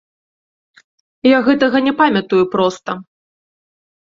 Я гэтага не памятаю проста.